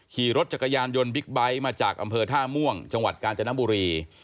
ขี่รถจักรยานยนต์บิ๊กไบท์มาจากอำเภอท่าม่วงจังหวัดกาญจนบุรี